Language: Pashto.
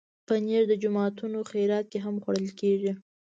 پنېر د جوماتونو خیرات کې هم خوړل کېږي.